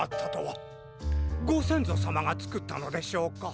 ごせんぞさまがつくったのでしょうか？